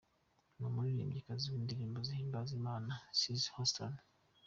n’umuririmbyikazi w’indirimbo zihimbaza Imana Cissy Houston.